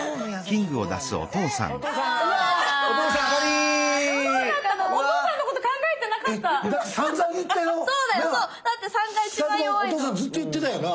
２人ともお父さんずっと言ってたよな？